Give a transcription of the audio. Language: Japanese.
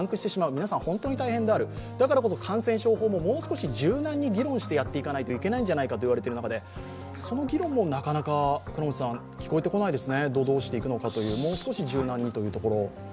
皆さん本当に大変である、だからこそ感染症法も柔軟に議論してやらなきゃいけないんじゃないかと言われている中でその議論もなかなか聞こえてこないですね、どうしていこうかともう少し柔軟なところ。